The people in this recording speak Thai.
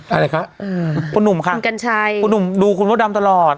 อะไรคะคุณหนุ่มค่ะคุณกัญชัยคุณหนุ่มดูคุณมดดำตลอด